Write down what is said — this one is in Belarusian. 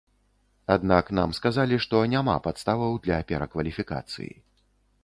Аднак нам сказалі, што няма падставаў для перакваліфікацыі.